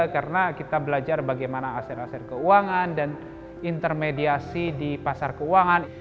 karena kita belajar bagaimana aset aset keuangan dan intermediasi di pasar keuangan